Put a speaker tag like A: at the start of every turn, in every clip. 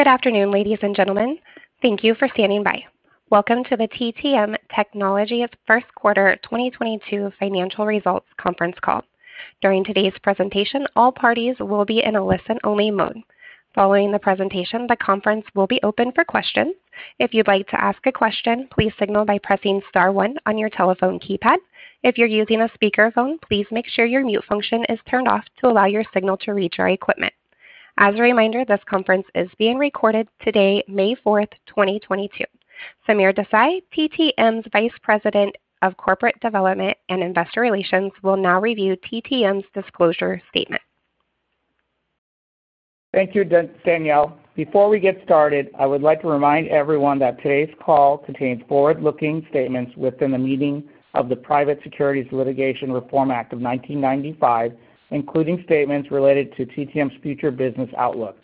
A: Good afternoon, ladies and gentlemen. Thank you for standing by. Welcome to the TTM Technologies First Quarter 2022 Financial Results Conference Call. During today's presentation, all parties will be in a listen-only mode. Following the presentation, the conference will be open for questions. If you'd like to ask a question, please signal by pressing star one on your telephone keypad. If you're using a speakerphone, please make sure your mute function is turned off to allow your signal to reach our equipment. As a reminder, this conference is being recorded today, May 4, 2022. Sameer Desai, TTM's Vice President of Corporate Development and Investor Relations, will now review TTM's disclosure statement.
B: Thank you, Danielle. Before we get started, I would like to remind everyone that today's call contains forward-looking statements within the meaning of the Private Securities Litigation Reform Act of 1995, including statements related to TTM's future business outlook.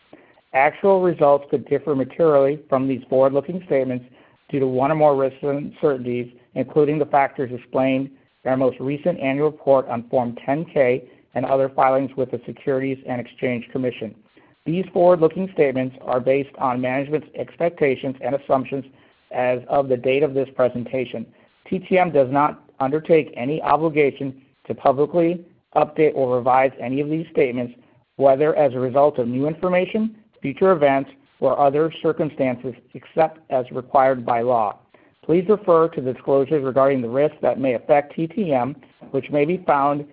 B: Actual results could differ materially from these forward-looking statements due to one or more risks and uncertainties, including the factors explained in our most recent annual report on Form 10-K and other filings with the Securities and Exchange Commission. These forward-looking statements are based on management's expectations and assumptions as of the date of this presentation. TTM does not undertake any obligation to publicly update or revise any of these statements, whether as a result of new information, future events, or other circumstances except as required by law. Please refer to the disclosures regarding the risks that may affect TTM, which may be found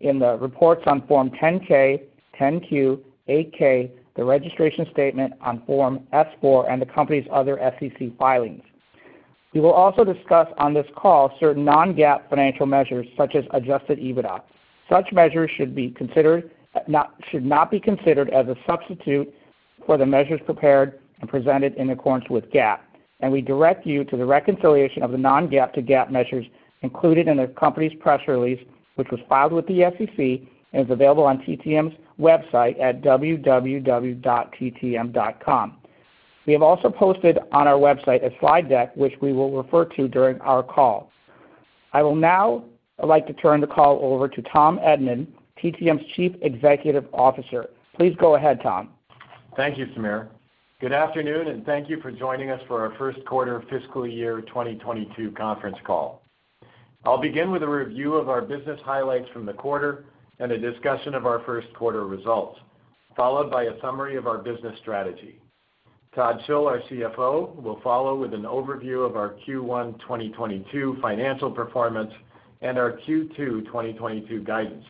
B: in the reports on Form 10-K, 10-Q, 8-K, the registration statement on Form S-4, and the company's other SEC filings. We will also discuss on this call certain non-GAAP financial measures, such as adjusted EBITDA. Such measures should not be considered as a substitute for the measures prepared and presented in accordance with GAAP, and we direct you to the reconciliation of the non-GAAP to GAAP measures included in the company's press release, which was filed with the SEC and is available on TTM's website at www.ttm.com. We have also posted on our website a slide deck, which we will refer to during our call. I would now like to turn the call over to Tom Edman, TTM's Chief Executive Officer. Please go ahead, Tom.
C: Thank you, Sameer. Good afternoon, and thank you for joining us for our first quarter fiscal year 2022 conference call. I'll begin with a review of our business highlights from the quarter and a discussion of our first quarter results, followed by a summary of our business strategy. Todd Schull, our CFO, will follow with an overview of our Q1 2022 financial performance and our Q2 2022 guidance.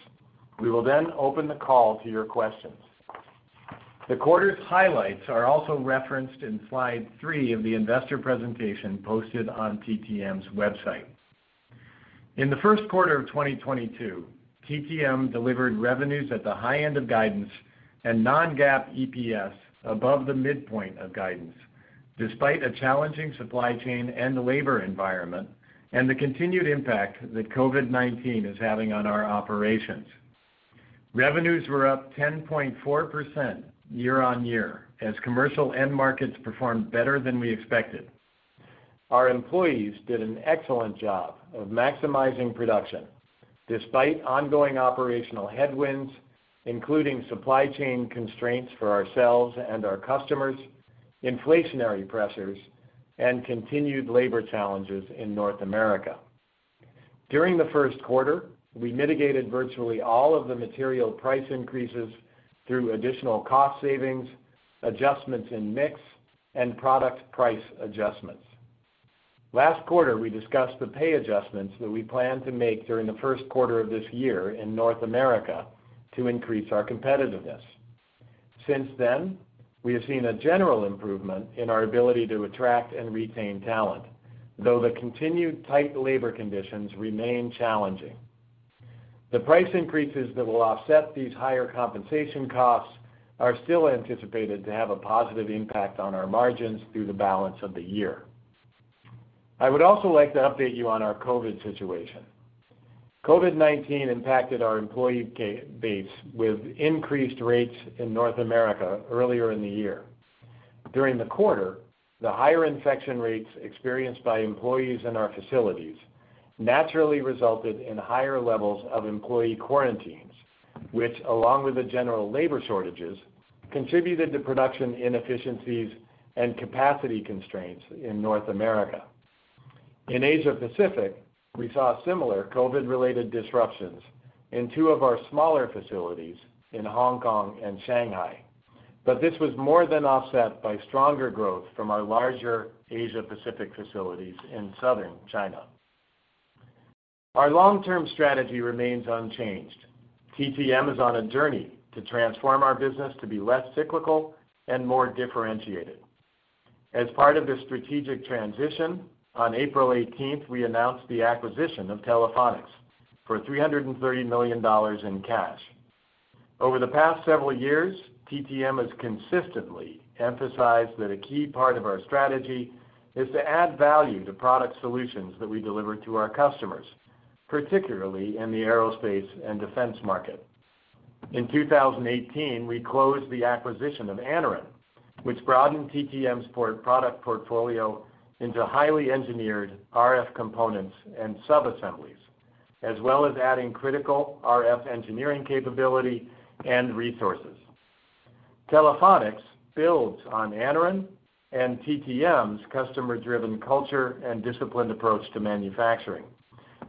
C: We will then open the call to your questions. The quarter's highlights are also referenced in slide three of the investor presentation posted on TTM's website. In the first quarter of 2022, TTM delivered revenues at the high end of guidance and non-GAAP EPS above the midpoint of guidance, despite a challenging supply chain and labor environment and the continued impact that COVID-19 is having on our operations. Revenues were up 10.4% year-on-year as commercial end markets performed better than we expected. Our employees did an excellent job of maximizing production despite ongoing operational headwinds, including supply chain constraints for ourselves and our customers, inflationary pressures, and continued labor challenges in North America. During the first quarter, we mitigated virtually all of the material price increases through additional cost savings, adjustments in mix, and product price adjustments. Last quarter, we discussed the pay adjustments that we planned to make during the first quarter of this year in North America to increase our competitiveness. Since then, we have seen a general improvement in our ability to attract and retain talent, though the continued tight labor conditions remain challenging. The price increases that will offset these higher compensation costs are still anticipated to have a positive impact on our margins through the balance of the year. I would also like to update you on our COVID situation. COVID-19 impacted our employee base with increased rates in North America earlier in the year. During the quarter, the higher infection rates experienced by employees in our facilities naturally resulted in higher levels of employee quarantines, which along with the general labor shortages, contributed to production inefficiencies and capacity constraints in North America. In Asia Pacific, we saw similar COVID-related disruptions in two of our smaller facilities in Hong Kong and Shanghai, but this was more than offset by stronger growth from our larger Asia Pacific facilities in southern China. Our long-term strategy remains unchanged. TTM is on a journey to transform our business to be less cyclical and more differentiated. As part of this strategic transition, on April 18th, we announced the acquisition of Telephonics for $330 million in cash. Over the past several years, TTM has consistently emphasized that a key part of our strategy is to add value to product solutions that we deliver to our customers, particularly in the aerospace and defense market. In 2018, we closed the acquisition of Anaren, which broadened TTM's product portfolio into highly engineered RF components and subassemblies. As well as adding critical RF engineering capability and resources. Telephonics builds on Anaren and TTM's customer-driven culture and disciplined approach to manufacturing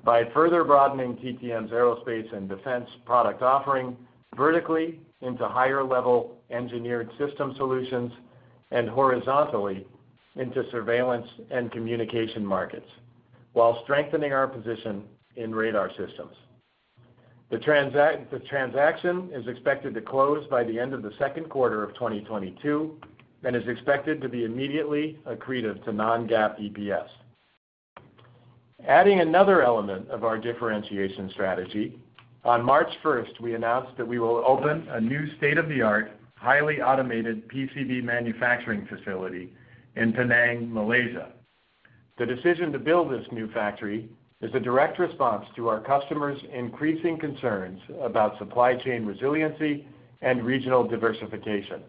C: by further broadening TTM's aerospace and defense product offering vertically into higher level engineered system solutions and horizontally into surveillance and communication markets, while strengthening our position in radar systems. The transaction is expected to close by the end of the second quarter of 2022 and is expected to be immediately accretive to non-GAAP EPS. Adding another element of our differentiation strategy, on March 1st, we announced that we will open a new state of the art, highly automated PCB manufacturing facility in Penang, Malaysia. The decision to build this new factory is a direct response to our customers' increasing concerns about supply chain resiliency and regional diversification,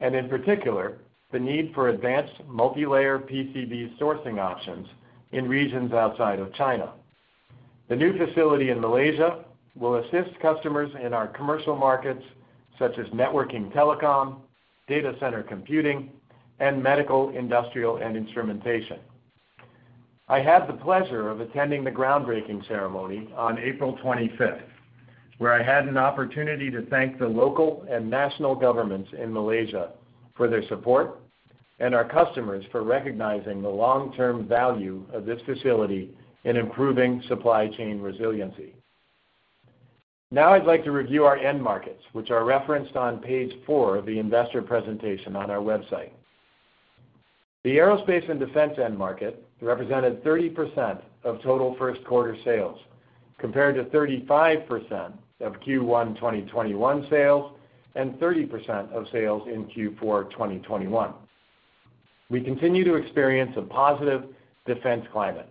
C: and in particular, the need for advanced multilayer PCB sourcing options in regions outside of China. The new facility in Malaysia will assist customers in our commercial markets, such as networking telecom, data center computing, and medical, industrial, and instrumentation. I had the pleasure of attending the groundbreaking ceremony on April 25th, where I had an opportunity to thank the local and national governments in Malaysia for their support, and our customers for recognizing the long-term value of this facility in improving supply chain resiliency. Now I'd like to review our end markets, which are referenced on page four of the investor presentation on our website. The aerospace and defense end market represented 30% of total first quarter sales, compared to 35% of Q1 2021 sales and 30% of sales in Q4 2021. We continue to experience a positive defense climate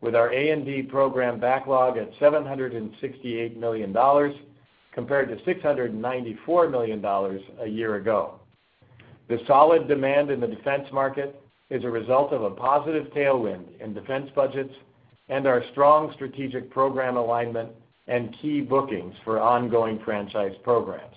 C: with our A&D program backlog at $768 million compared to $694 million a year-ago. The solid demand in the defense market is a result of a positive tailwind in defense budgets and our strong strategic program alignment and key bookings for ongoing franchise programs.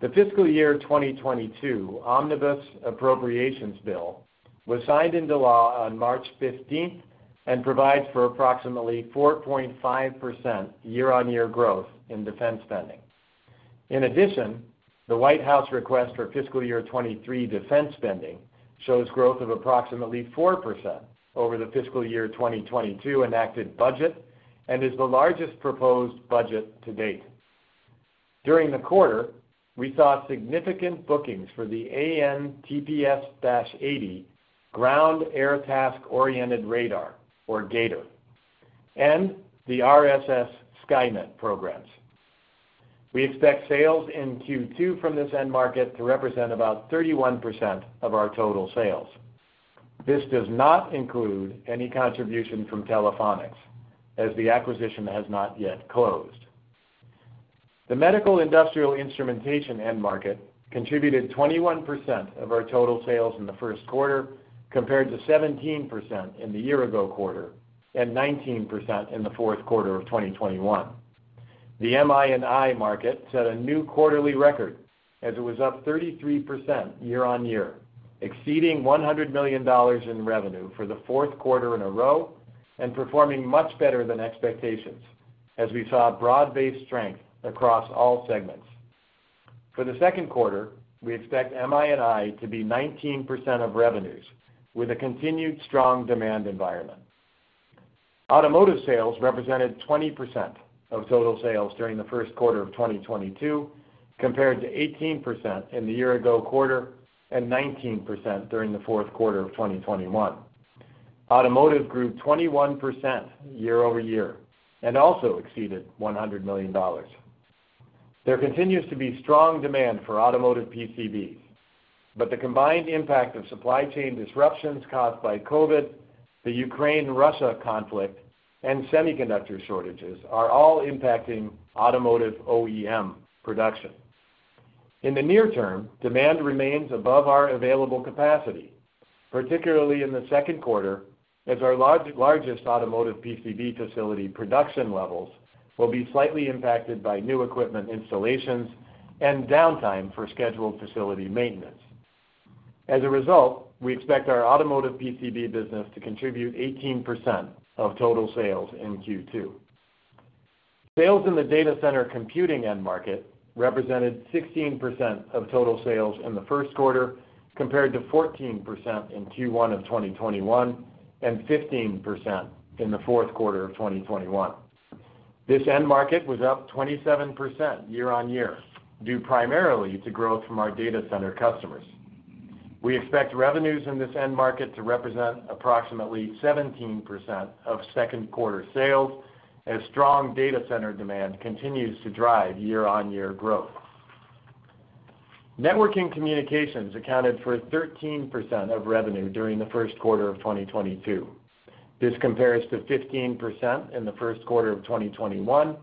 C: The fiscal year 2022 Omnibus Appropriations bill was signed into law on March 15th and provides for approximately 4.5% year-on-year growth in defense spending. In addition, the White House request for fiscal year 2023 defense spending shows growth of approximately 4% over the fiscal year 2022 enacted budget and is the largest proposed budget to date. During the quarter, we saw significant bookings for The AN/TPS-80 Ground/Air Task-Oriented Radar or G/ATOR and the Skynet programs. We expect sales in Q2 from this end market to represent about 31% of our total sales. This does not include any contribution from Telephonics, as the acquisition has not yet closed. The medical industrial instrumentation end market contributed 21% of our total sales in the first quarter, compared to 17% in the year-ago quarter, and 19% in the fourth quarter of 2021. The MI&I market set a new quarterly record as it was up 33% year-over-year, exceeding $100 million in revenue for the fourth quarter in a row and performing much better than expectations as we saw broad-based strength across all segments. For the second quarter, we expect MI&I to be 19% of revenues, with a continued strong demand environment. Automotive sales represented 20% of total sales during the first quarter of 2022, compared to 18% in the year-ago quarter and 19% during the fourth quarter of 2021. Automotive grew 21% year-over-year and also exceeded $100 million. There continues to be strong demand for automotive PCBs, but the combined impact of supply chain disruptions caused by COVID, the Ukraine-Russia conflict, and semiconductor shortages are all impacting automotive OEM production. In the near-term, demand remains above our available capacity, particularly in the second quarter as our largest automotive PCB facility production levels will be slightly impacted by new equipment installations and downtime for scheduled facility maintenance. As a result, we expect our automotive PCB business to contribute 18% of total sales in Q2. Sales in the data center computing end market represented 16% of total sales in the first quarter, compared to 14% in Q1 of 2021 and 15% in the fourth quarter of 2021. This end market was up 27% year-on-year, due primarily to growth from our data center customers. We expect revenues in this end market to represent approximately 17% of second quarter sales as strong data center demand continues to drive year-on-year growth. Networking communications accounted for 13% of revenue during the first quarter of 2022. This compares to 15% in the first quarter of 2021,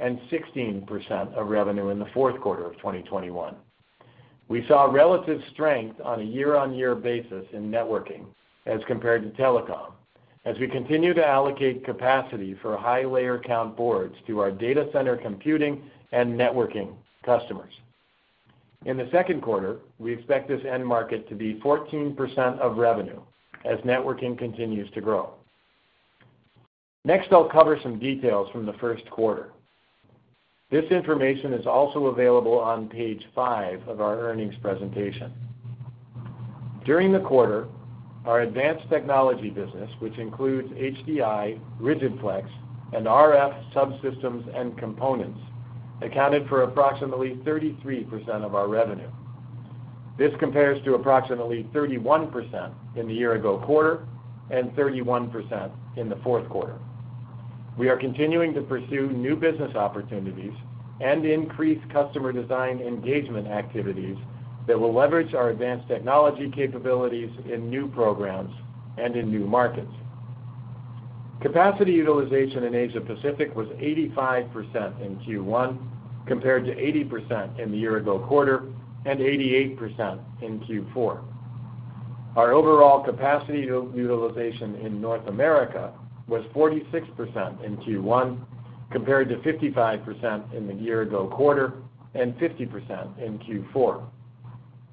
C: and 16% of revenue in the fourth quarter of 2021. We saw relative strength on a year-on-year basis in networking as compared to telecom, as we continue to allocate capacity for high layer count boards to our data center computing and networking customers. In the second quarter, we expect this end market to be 14% of revenue as networking continues to grow. Next, I'll cover some details from the first quarter. This information is also available on page five of our earnings presentation. During the quarter, our advanced technology business, which includes HDI, rigid flex, and RF subsystems and components, accounted for approximately 33% of our revenue. This compares to approximately 31% in the year-ago quarter and 31% in the fourth quarter. We are continuing to pursue new business opportunities and increase customer design engagement activities that will leverage our advanced technology capabilities in new programs and in new markets. Capacity utilization in Asia Pacific was 85% in Q1, compared to 80% in the year-ago quarter, and 88% in Q4. Our overall capacity utilization in North America was 46% in Q1, compared to 55% in the year-ago quarter, and 50% in Q4.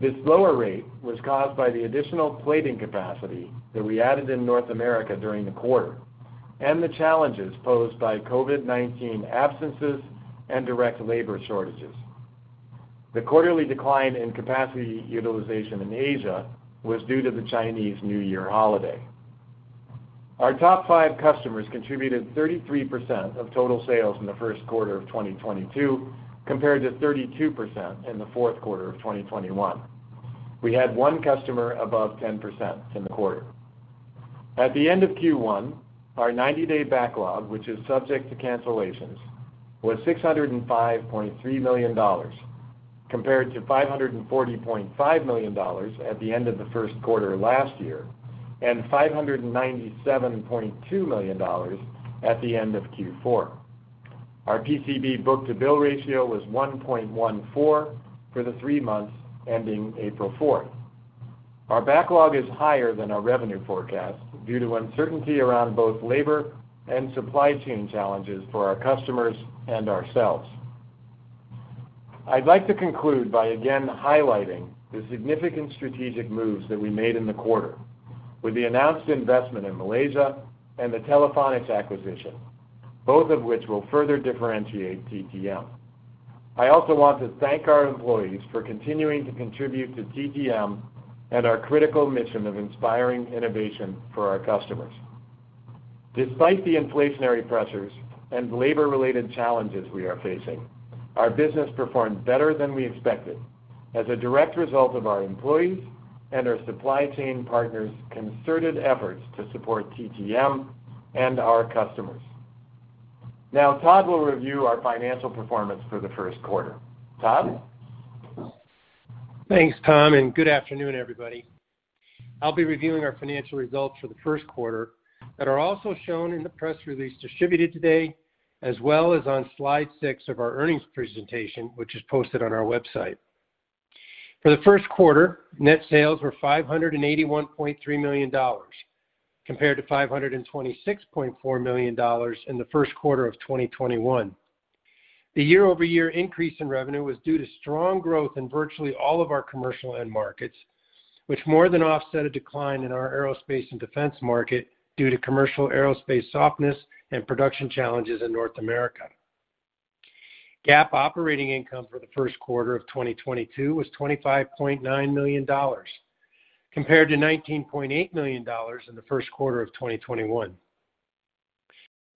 C: This lower rate was caused by the additional plating capacity that we added in North America during the quarter and the challenges posed by COVID-19 absences and direct labor shortages. The quarterly decline in capacity utilization in Asia was due to the Chinese New Year holiday. Our top five customers contributed 33% of total sales in the first quarter of 2022, compared to 32% in the fourth quarter of 2021. We had one customer above 10% in the quarter. At the end of Q1, our 90-day backlog, which is subject to cancellations, was $605.3 million, compared to $540.5 million at the end of the first quarter last year, and $597.2 million at the end of Q4. Our PCB book-to-bill ratio was 1.14 for the three months ending April 4th. Our backlog is higher than our revenue forecast due to uncertainty around both labor and supply chain challenges for our customers and ourselves. I'd like to conclude by again highlighting the significant strategic moves that we made in the quarter with the announced investment in Malaysia and the Telephonics acquisition, both of which will further differentiate TTM. I also want to thank our employees for continuing to contribute to TTM and our critical mission of inspiring innovation for our customers. Despite the inflationary pressures and labor-related challenges we are facing, our business performed better than we expected as a direct result of our employees and our supply chain partners' concerted efforts to support TTM and our customers. Now, Todd will review our financial performance for the first quarter. Todd?
D: Thanks, Tom, and good afternoon, everybody. I'll be reviewing our financial results for the first quarter that are also shown in the press release distributed today, as well as on slide six of our earnings presentation, which is posted on our website. For the first quarter, net sales were $581.3 million, compared to $526.4 million in the first quarter of 2021. The year-over-year increase in revenue was due to strong growth in virtually all of our commercial end markets, which more than offset a decline in our aerospace and defense market due to commercial aerospace softness and production challenges in North America. GAAP operating income for the first quarter of 2022 was $25.9 million, compared to $19.8 million in the first quarter of 2021.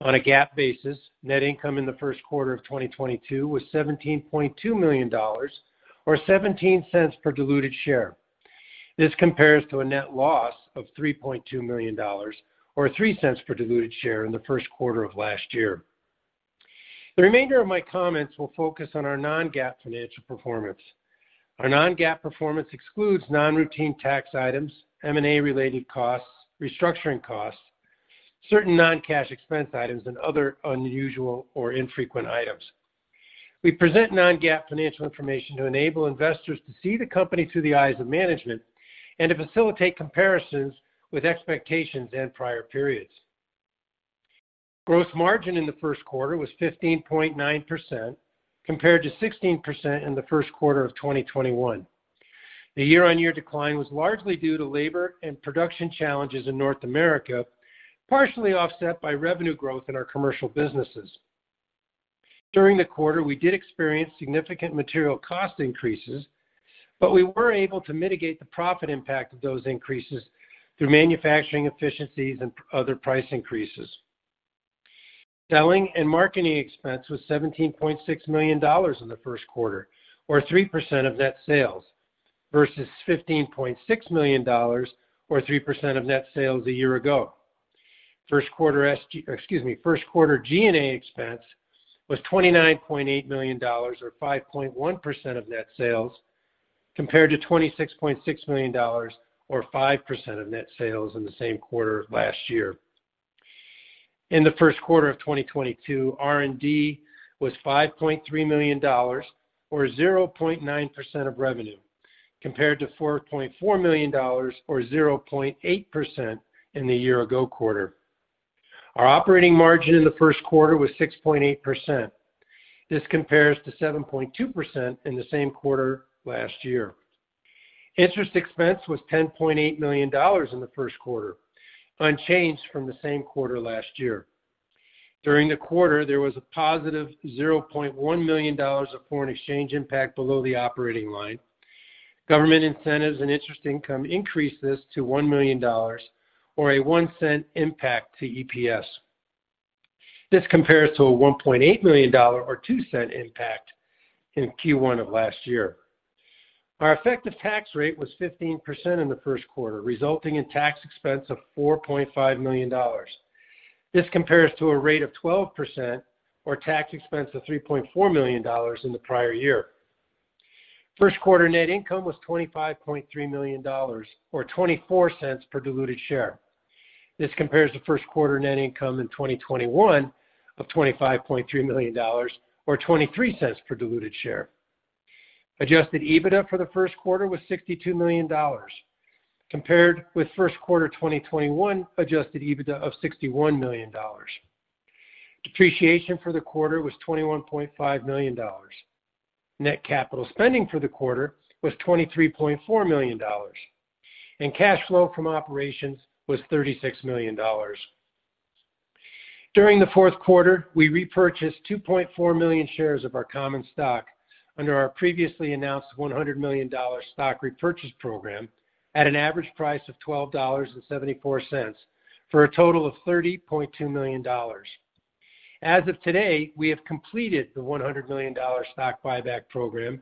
D: On a GAAP basis, net income in the first quarter of 2022 was $17.2 million or $0.17 per diluted share. This compares to a net loss of $3.2 million or $0.03 per diluted share in the first quarter of last year. The remainder of my comments will focus on our non-GAAP financial performance. Our non-GAAP performance excludes non-routine tax items, M&A-related costs, restructuring costs, certain non-cash expense items, and other unusual or infrequent items. We present non-GAAP financial information to enable investors to see the company through the eyes of management and to facilitate comparisons with expectations and prior periods. Gross margin in the first quarter was 15.9%, compared to 16% in the first quarter of 2021. The year-on-year decline was largely due to labor and production challenges in North America, partially offset by revenue growth in our commercial businesses. During the quarter, we did experience significant material cost increases, but we were able to mitigate the profit impact of those increases through manufacturing efficiencies and other price increases. Selling and marketing expense was $17.6 million in the first quarter or 3% of net sales versus $15.6 million or 3% of net sales a year-ago. First quarter G&A expense was $29.8 million or 5.1% of net sales, compared to $26.6 million or 5% of net sales in the same quarter last year. In the first quarter of 2022, R&D was $5.3 million or 0.9% of revenue, compared to $4.4 million or 0.8% in the year-ago quarter. Our operating margin in the first quarter was 6.8%. This compares to 7.2% in the same quarter last year. Interest expense was $10.8 million in the first quarter, unchanged from the same quarter last year. During the quarter, there was a positive $0.1 million of foreign exchange impact below the operating line. Government incentives and interest income increased this to $1 million or a 1 cent impact to EPS. This compares to a $1.8 million or 2 cent impact in Q1 of last year. Our effective tax rate was 15% in the first quarter, resulting in tax expense of $4.5 million. This compares to a rate of 12% or tax expense of $3.4 million in the prior year. First quarter net income was $25.3 million or 24 cents per diluted share. This compares to first quarter net income in 2021 of $25.3 million or 23 cents per diluted share. Adjusted EBITDA for the first quarter was $62 million compared with first quarter 2021 adjusted EBITDA of $61 million. Depreciation for the quarter was $21.5 million. Net capital spending for the quarter was $23.4 million, and cash flow from operations was $36 million. During the fourth quarter, we repurchased 2.4 million shares of our common stock under our previously announced $100 million stock repurchase program at an average price of $12.74 for a total of $30.2 million. As of today, we have completed the $100 million stock buyback program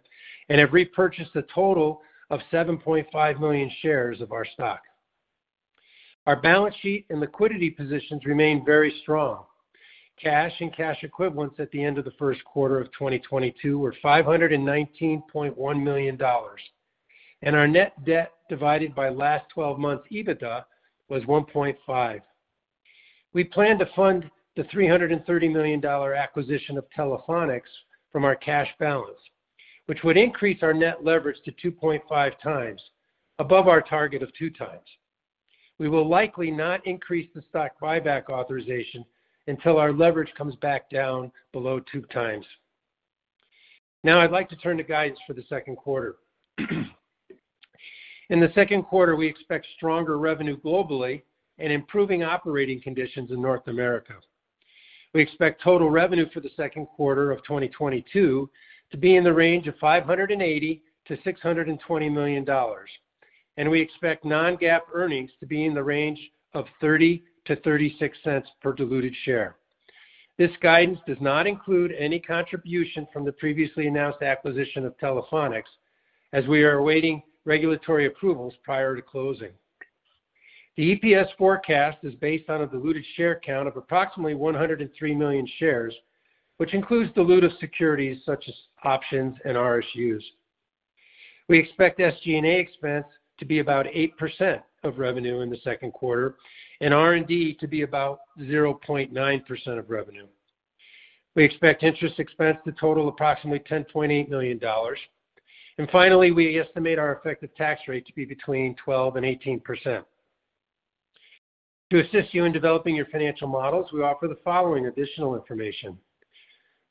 D: and have repurchased a total of 7.5 million shares of our stock. Our balance sheet and liquidity positions remain very strong. Cash and cash equivalents at the end of the first quarter of 2022 were $519.1 million, and our net debt divided by last 12 months EBITDA was 1.5. We plan to fund the $330 million acquisition of Telephonics from our cash balance, which would increase our net leverage to 2.5 times above our target of 2 times. We will likely not increase the stock buyback authorization until our leverage comes back down below 2 times. Now I'd like to turn to guidance for the second quarter. In the second quarter, we expect stronger revenue globally and improving operating conditions in North America. We expect total revenue for the second quarter of 2022 to be in the range of $580 million-$620 million, and we expect non-GAAP earnings to be in the range of $0.30-$0.36 per diluted share. This guidance does not include any contribution from the previously announced acquisition of Telephonics, as we are awaiting regulatory approvals prior to closing. The EPS forecast is based on a diluted share count of approximately 103 million shares, which includes dilutive securities such as options and RSUs. We expect SG&A expense to be about 8% of revenue in the second quarter and R&D to be about 0.9% of revenue. We expect interest expense to total approximately $10.8 million. Finally, we estimate our effective tax rate to be between 12%-18%. To assist you in developing your financial models, we offer the following additional information.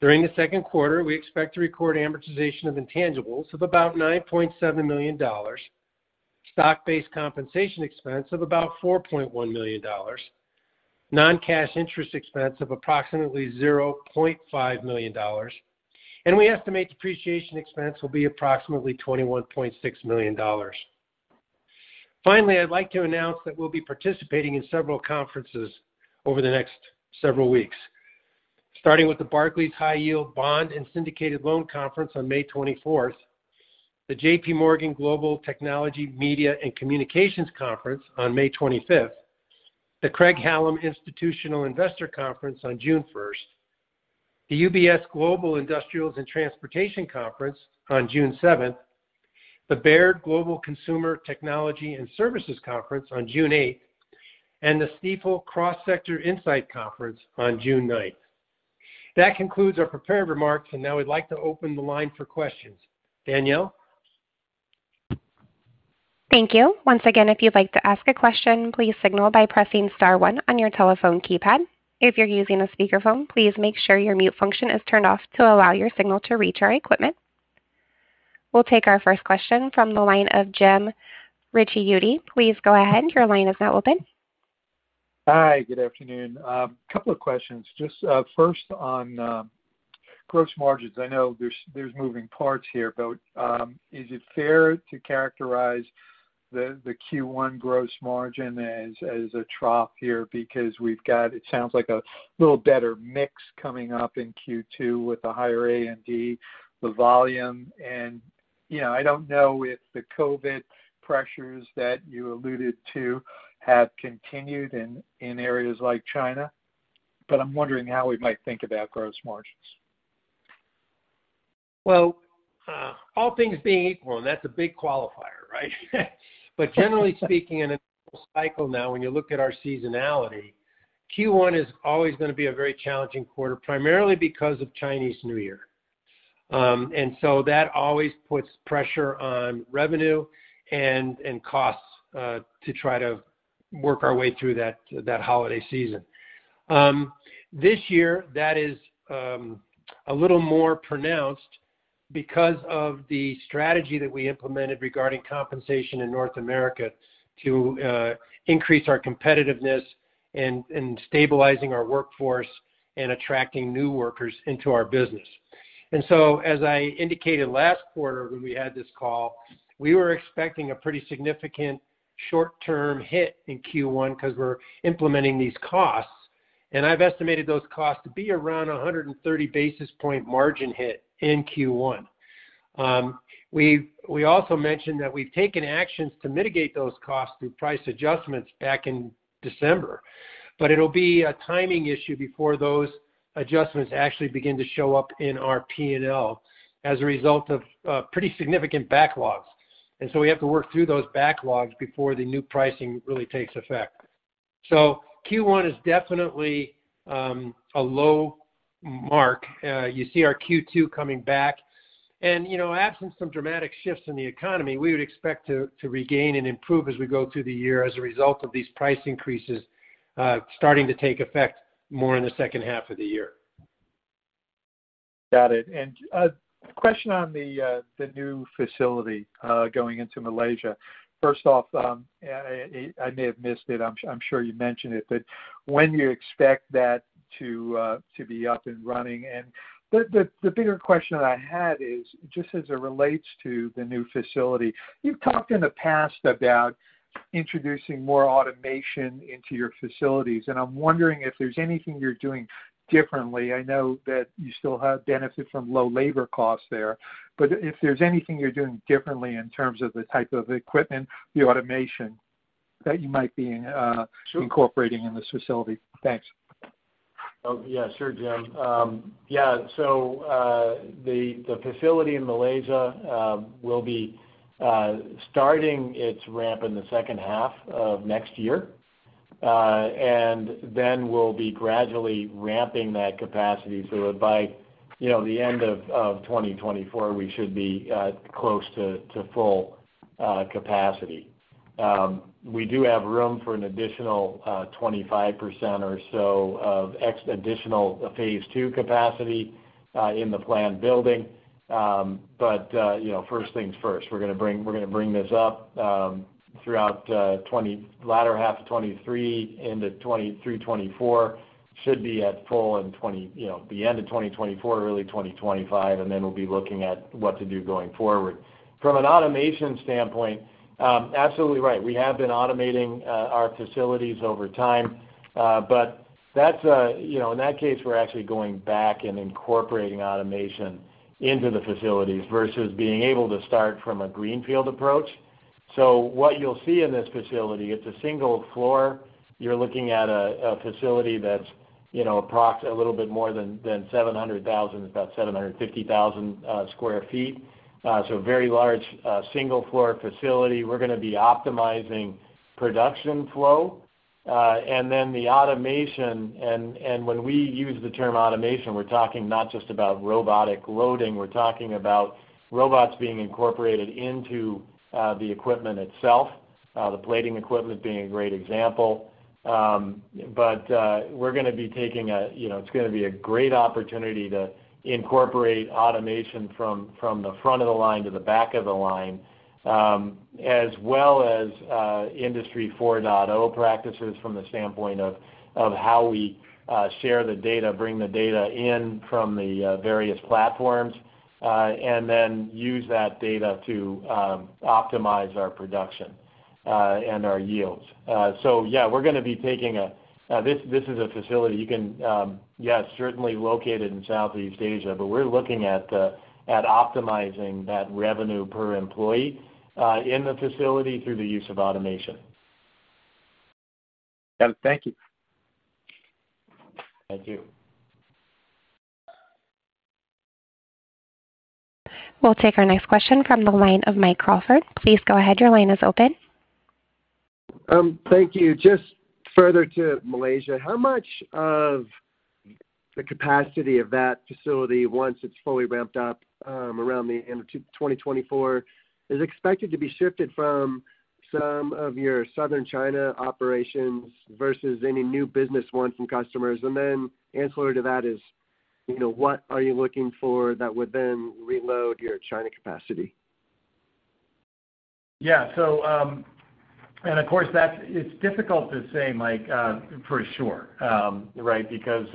D: During the second quarter, we expect to record amortization of intangibles of about $9.7 million, stock-based compensation expense of about $4.1 million, non-cash interest expense of approximately $0.5 million, and we estimate depreciation expense will be approximately $21.6 million. Finally, I'd like to announce that we'll be participating in several conferences over the next several weeks, starting with The Barclays High Yield Bond and Syndicated Loan Conference on May 24th, The JP Morgan Global Technology, Media and Communications Conference on May 25th, The Craig-Hallum Institutional Investor Conference on June 1st, The UBS Global Industrials & Transportation Conference on June 7th, The Baird Global Consumer Technology and Services Conference on June 8th, and The Stifel Cross Sector Insight Conference on June 9th. That concludes our prepared remarks, and now we'd like to open the line for questions. Daniel?
A: Thank you. Once again, if you'd like to ask a question, please signal by pressing star one on your telephone keypad. If you're using a speakerphone, please make sure your mute function is turned off to allow your signal to reach our equipment. We'll take our first question from the line of Jim Ricchiuti. Please go ahead. Your line is now open.
E: Hi. Good afternoon. Couple of questions. Just first on gross margins. I know there's moving parts here, but is it fair to characterize the Q1 gross margin as a trough here because we've got, it sounds like a little better mix coming up in Q2 with the higher A&D, the volume, and you know, I don't know if the COVID pressures that you alluded to have continued in areas like China, but I'm wondering how we might think about gross margins.
C: Well, all things being equal, and that's a big qualifier, right? Generally speaking, in a cycle now, when you look at our seasonality, Q1 is always gonna be a very challenging quarter, primarily because of Chinese New Year. That always puts pressure on revenue and costs to try to work our way through that holiday season. This year, that is a little more pronounced because of the strategy that we implemented regarding compensation in North America to increase our competitiveness and stabilizing our workforce and attracting new workers into our business. As I indicated last quarter when we had this call, we were expecting a pretty significant short-term hit in Q1 because we're implementing these costs. I've estimated those costs to be around 130 basis point margin hit in Q1. We also mentioned that we've taken actions to mitigate those costs through price adjustments back in December. It'll be a timing issue before those adjustments actually begin to show up in our P&L as a result of pretty significant backlogs. We have to work through those backlogs before the new pricing really takes effect. Q1 is definitely a low mark. You see our Q2 coming back. You know, absent some dramatic shifts in the economy, we would expect to regain and improve as we go through the year as a result of these price increases starting to take effect more in the second half of the year.
E: Got it. A question on the new facility going into Malaysia. First off, I may have missed it. I'm sure you mentioned it, but when do you expect that to be up and running? The bigger question that I had is just as it relates to the new facility. You've talked in the past about introducing more automation into your facilities, and I'm wondering if there's anything you're doing differently. I know that you still have benefit from low labor costs there. If there's anything you're doing differently in terms of the type of equipment, the automation that you might be in-
C: Sure
E: incorporating in this facility? Thanks.
C: Oh, yeah. Sure, Jim. Yeah. The facility in Malaysia will be starting its ramp in the second half of next year. Then we'll be gradually ramping that capacity so that by, you know, the end of 2024, we should be close to full capacity. We do have room for an additional 25% or so of additional phase two capacity in the planned building. You know, first things first. We're gonna bring this up throughout latter half of 2023 into 2023, 2024. Should be at full in you know, the end of 2024, early 2025, and then we'll be looking at what to do going forward. From an automation standpoint, absolutely right. We have been automating our facilities over time. That's, you know, in that case, we're actually going back and incorporating automation into the facilities versus being able to start from a greenfield approach. What you'll see in this facility, it's a single floor. You're looking at a facility that's, you know, a little bit more than 700,000, about 750,000 sq ft. Very large, single floor facility. We're gonna be optimizing production flow, and then the automation. When we use the term automation, we're talking not just about robotic loading. We're talking about robots being incorporated into the equipment itself, the plating equipment being a great example. We're gonna be taking a, you know, it's gonna be a great opportunity to incorporate automation from the front of the line to the back of the line, as well as Industry 4.0 practices from the standpoint of how we share the data, bring the data in from the various platforms, and then use that data to optimize our production and our yields. This is a facility you can yes, certainly locate it in Southeast Asia, but we're looking at optimizing that revenue per employee in the facility through the use of automation.
E: Got it. Thank you.
C: Thank you.
A: We'll take our next question from the line of Mike Crawford. Please go ahead. Your line is open.
F: Thank you. Just further to Malaysia, how much of the capacity of that facility, once it's fully ramped up, around the end of 2024, is expected to be shifted from some of your Southern China operations versus any new business won from customers? Ancillary to that is, you know, what are you looking for that would then reload your China capacity?
C: Yeah. It's difficult to say, Mike, for sure, right? Because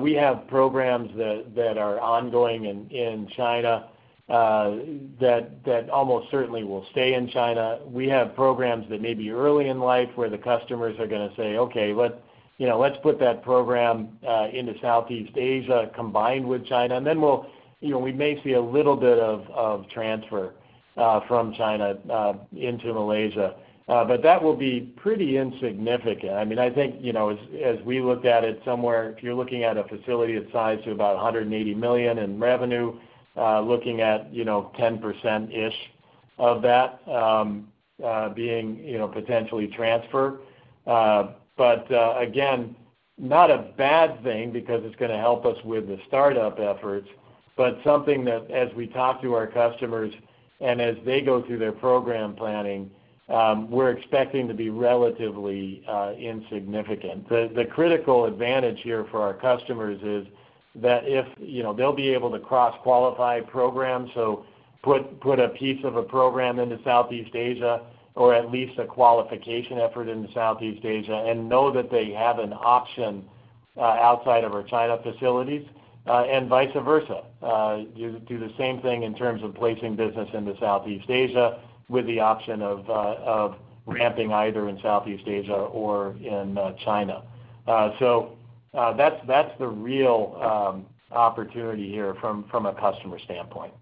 C: we have programs that are ongoing in China that almost certainly will stay in China. We have programs that may be early in life where the customers are gonna say, "Okay, you know, let's put that program into Southeast Asia combined with China." Then we'll see a little bit of transfer from China into Malaysia. But that will be pretty insignificant. I mean, I think, you know, as we look at it somewhere, if you're looking at a facility its size to about $180 million in revenue, looking at 10%-ish of that being potentially transfer. Again, not a bad thing because it's gonna help us with the startup efforts, but something that as we talk to our customers and as they go through their program planning, we're expecting to be relatively insignificant. The critical advantage here for our customers is that if, you know, they'll be able to cross-qualify programs, so put a piece of a program into Southeast Asia, or at least a qualification effort into Southeast Asia and know that they have an option outside of our China facilities, and vice versa. You do the same thing in terms of placing business into Southeast Asia with the option of ramping either in Southeast Asia or in China. That's the real opportunity here from a customer standpoint.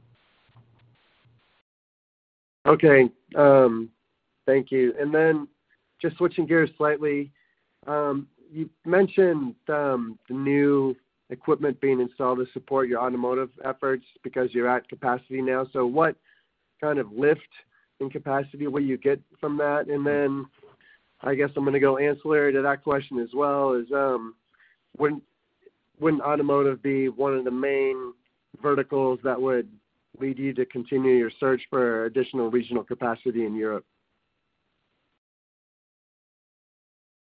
F: Thank you. Just switching gears slightly, you mentioned the new equipment being installed to support your automotive efforts because you're at capacity now. What kind of lift in capacity will you get from that? I guess I'm gonna go ancillary to that question as well, wouldn't automotive be one of the main verticals that would lead you to continue your search for additional regional capacity in Europe?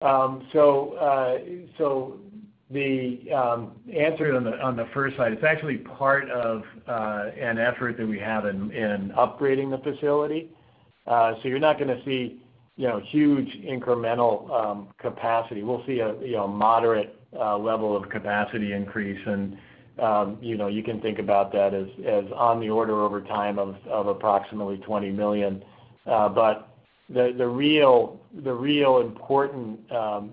C: The answer on the first side is actually part of an effort that we have in upgrading the facility. You're not gonna see huge incremental capacity. We'll see a moderate level of capacity increase, and you can think about that as on the order over time of approximately $20 million. The real important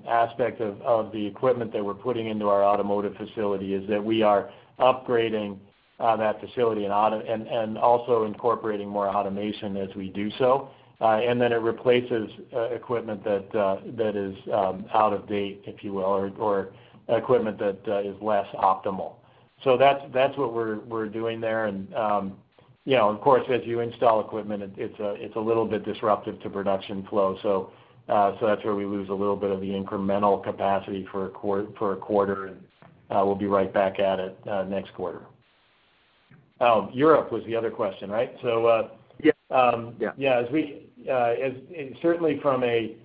C: aspect of the equipment that we're putting into our automotive facility is that we are upgrading that facility and also incorporating more automation as we do so. It replaces equipment that is out-of-date, if you will, or equipment that is less optimal. That's what we're doing there. You know, of course, as you install equipment, it's a little bit disruptive to production flow. That's where we lose a little bit of the incremental capacity for a quarter, and we'll be right back at it next quarter. Oh, Europe was the other question, right?
F: Yes. Yeah
C: Yeah, certainly from a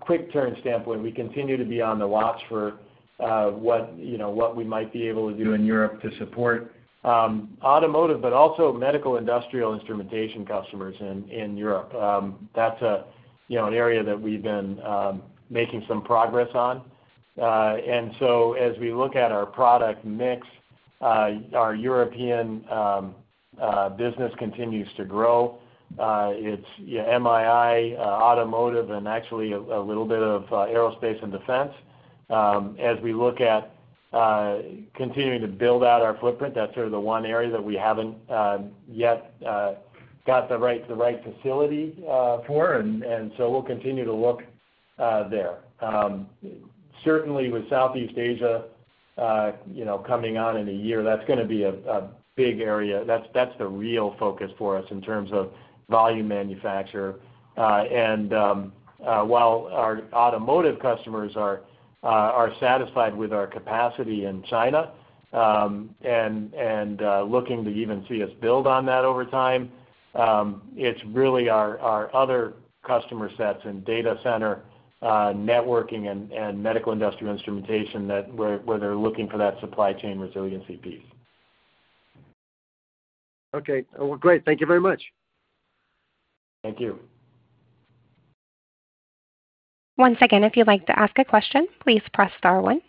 C: quick turn standpoint, we continue to be on the watch for what you know we might be able to do in Europe to support automotive, but also medical industrial instrumentation customers in Europe. That's, you know, an area that we've been making some progress on. As we look at our product mix, our European business continues to grow. It's, yeah, MII, automotive, and actually a little bit of aerospace and defense. As we look at continuing to build out our footprint, that's sort of the one area that we haven't yet got the right facility for. We'll continue to look there. Certainly with Southeast Asia, you know, coming on in a year, that's gonna be a big area. That's the real focus for us in terms of volume manufacture. While our automotive customers are satisfied with our capacity in China, and looking to even see us build on that over time, it's really our other customer sets and data center, networking and medical industrial instrumentation that, where they're looking for that supply chain resiliency piece.
F: Okay. Well, great. Thank you very much.
C: Thank you.
A: Once again, if you'd like to ask a question, please press star one.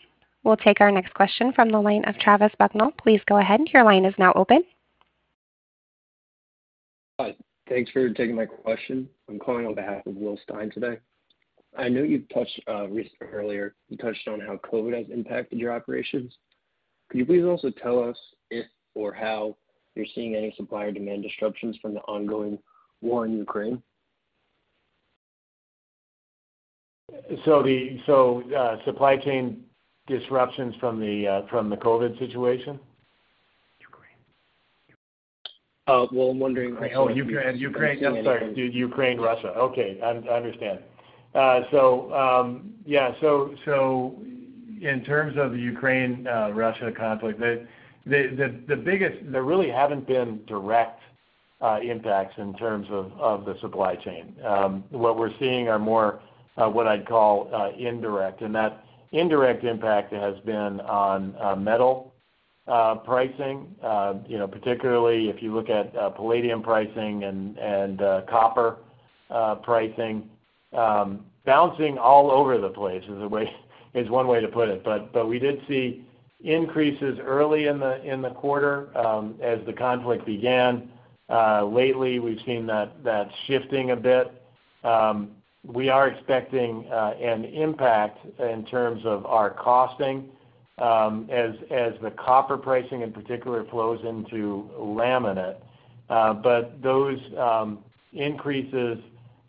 A: We'll take our next question from the line of Travis Sherman. Please go ahead. Your line is now open.
G: Hi. Thanks for taking my question. I'm calling on behalf of William Stein today. I know you've touched recently. Earlier, you touched on how COVID has impacted your operations. Could you please also tell us if or how you're seeing any supply and demand disruptions from the ongoing war in Ukraine?
C: The supply chain disruptions from the COVID situation?
G: Ukraine. Well, I'm wondering-
C: Oh, Ukraine. I'm sorry. Ukraine-Russia. Okay. I understand. In terms of the Ukraine-Russia conflict, the biggest. There really haven't been direct impacts in terms of the supply chain. What we're seeing are more what I'd call indirect, and that indirect impact has been on metal pricing, you know, particularly if you look at palladium pricing and copper pricing, bouncing all over the place is one way to put it. We did see increases early in the quarter as the conflict began. Lately, we've seen that shifting a bit. We are expecting an impact in terms of our costing as the copper pricing in particular flows into laminate. Those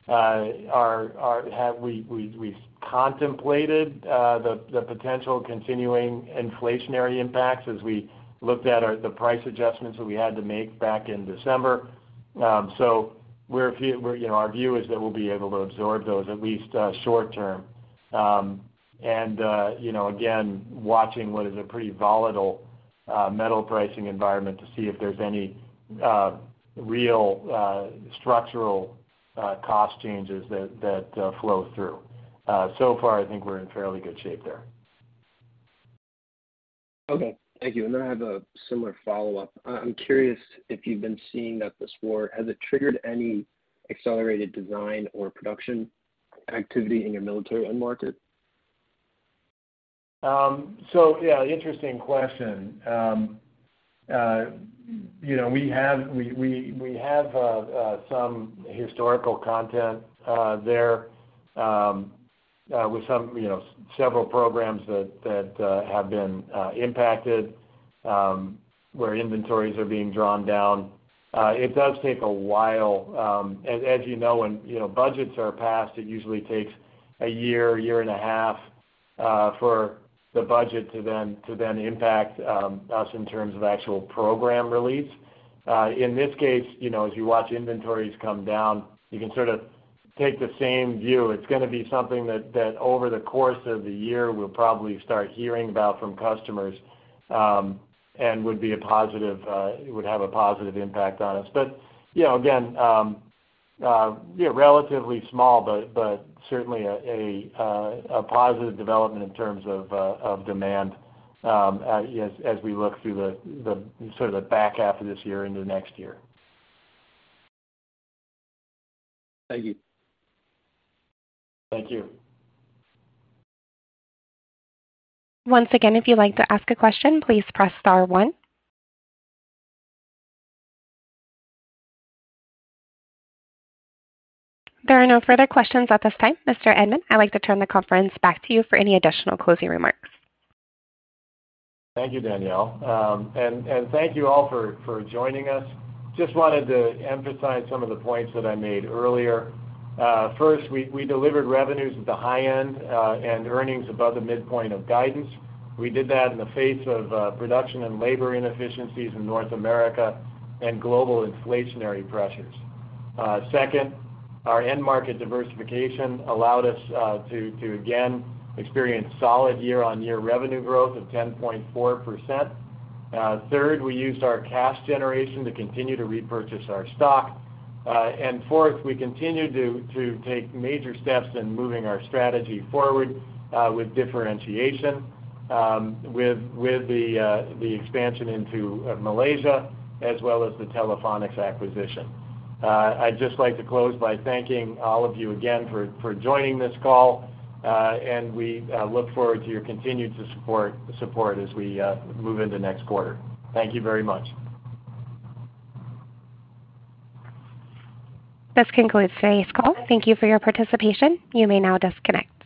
C: increases we've contemplated the potential continuing inflationary impacts as we looked at the price adjustments that we had to make back in December. You know, our view is that we'll be able to absorb those at least short-term. You know, again, watching what is a pretty volatile metal pricing environment to see if there's any real structural cost changes that flow through. So far, I think we're in fairly good shape there.
G: Okay. Thank you. I have a similar follow-up. I'm curious if you've been seeing that this war, has it triggered any accelerated design or production activity in your military end market?
C: Yeah, interesting question. You know, we have some historical context there with some, you know, several programs that have been impacted where inventories are being drawn down. It does take a while, as you know, when you know budgets are passed, it usually takes a year, year and a half for the budget to then impact us in terms of actual program release. In this case, you know, as you watch inventories come down, you can sort of take the same view. It's gonna be something that over the course of the year we'll probably start hearing about from customers, and would be a positive, it would have a positive impact on us. You know, again, yeah, relatively small, but certainly a positive development in terms of demand, as we look through the sort of the back half of this year into next year.
G: Thank you.
C: Thank you.
A: Once again, if you'd like to ask a question, please press star one. There are no further questions at this time. Mr. Edman, I'd like to turn the conference back to you for any additional closing remarks.
C: Thank you, Daniel. Thank you all for joining us. Just wanted to emphasize some of the points that I made earlier. First, we delivered revenues at the high-end, and earnings above the midpoint of guidance. We did that in the face of production and labor inefficiencies in North America and global inflationary pressures. Second, our end market diversification allowed us to again experience solid year-on-year revenue growth of 10.4%. Third, we used our cash generation to continue to repurchase our stock. Fourth, we continued to take major steps in moving our strategy forward with differentiation, with the expansion into Malaysia as well as the Telephonics acquisition. I'd just like to close by thanking all of you again for joining this call, and we look forward to your continued support as we move into next quarter. Thank you very much.
A: This concludes today's call. Thank you for your participation. You may now disconnect.